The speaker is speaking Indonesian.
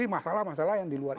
masalah masalah yang di luar